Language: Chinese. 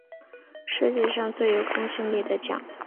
世界上最有公信力的奖